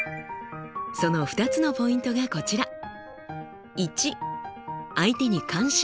その２つのポイントがこちら。